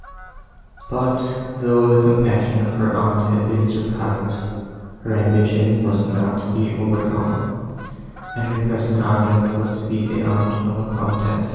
But, though the compassion of her aunt had been surprised, her ambition was not to be overcome, and her present object was to be the aunt of a Countess.